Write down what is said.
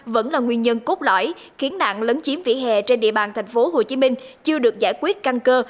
vẫn là nguyên nhân cốt lõi khiến nạn lấn chiếm vỉa hè trên địa bàn tp hcm chưa được giải quyết căn cơ